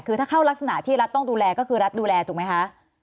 คือถ้าเข้ารักษณะที่รัฐต้องดูแลก็คือรัฐดูแลถูกไหมคะ